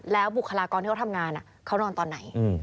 แล้วบุคลากรที่เขาทำงานเขานอนตอนไหน